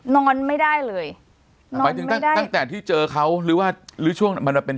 นอนไม่ได้เลยนอนไม่ได้ตั้งแต่ที่เจอเขาหรือว่าหรือช่วงมันเป็นช่วงไหน